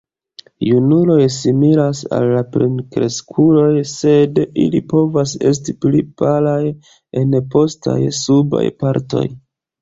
Junuloj similas al plenkreskuloj, sed ili povas esti pli palaj en postaj subaj partoj.